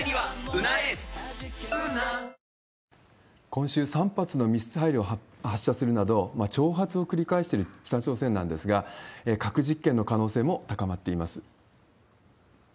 今週、３発のミサイルを発射するなど、挑発を繰り返している北朝鮮なんですが、核実験の可能性も高まっています。